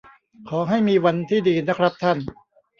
ขอให้มีวันที่ดีนะครับท่าน